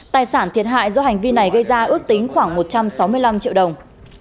tài sản thiệt hại do hành vi này gây ra ước tính khoảng một trăm sáu mươi năm triệu đồng